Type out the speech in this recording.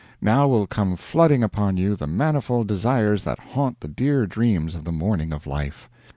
Now will come flooding upon you the manifold desires that haunt the dear dreams of the morning of life.